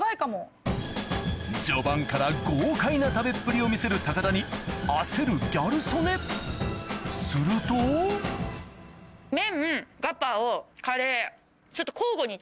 序盤から豪快な食べっぷりを見せる田に焦るギャル曽根するとなるほど素晴らしいね。